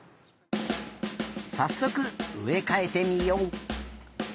さっそくうえかえてみよう。